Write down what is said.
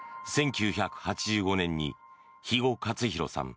１９８５年に肥後克広さん